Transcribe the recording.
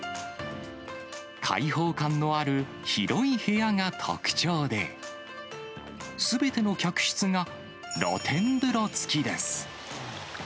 開放感のある広い部屋が特徴で、すべての客室が露天風呂付きです。